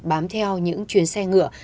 bám theo những chuyến xe ngựa